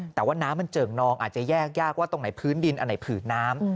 แต่ว่าน้ำมันเจิ่งนองอาจจะแยกยากว่าตรงไหนพื้นดินอันไหนผืนน้ำ